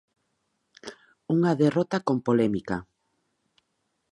Unha derrota con polémica.